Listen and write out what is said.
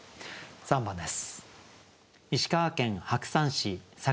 ３番です。